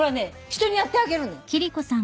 人にやってあげるのよ。